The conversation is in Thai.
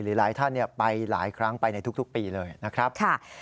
หลายท่านไปหลายครั้งไปในทุกปีเลยนะครับ